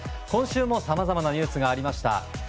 今週もさまざまなニュースがありました。